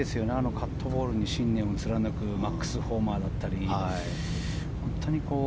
カットボールに信念を貫くマックス・ホーマだったり。